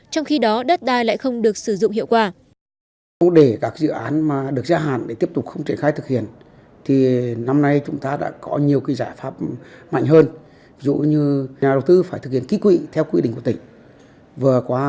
trong khi đó đất đai lại không được sử dụng hiệu quả